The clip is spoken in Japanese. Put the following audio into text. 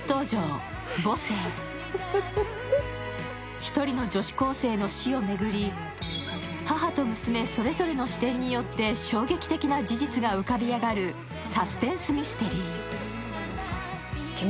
一人の女子高の死を巡り、母と娘、それぞれの視点によって衝撃的な事実が浮かび上がるサスペンスミステリー。